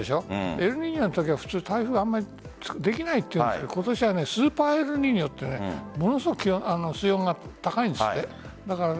エルニーニョのときは台風、あまりできないというけど今年はスーパーエルニーニョといってものすごく水温が高いんです。